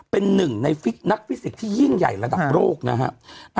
เป็นหนึ่งในฟิกนักฟิสิกส์ที่ยิ่งใหญ่ระดับโลกนะครับ